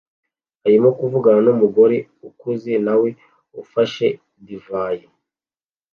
arimo kuvugana numugore ukuze nawe ufashe divayi